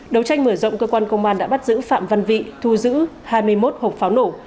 đấu tranh mở rộng cơ quan công an đã bắt giữ phạm văn vị thu giữ hai mươi một hộp pháo nổ